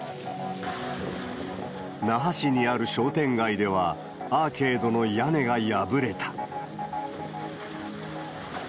那覇市にある商店街では、アーケードの屋根が破れた。